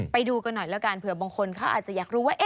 ไปดูกันหน่อยแล้วกันเผื่อบางคนเขาอาจจะอยากรู้ว่า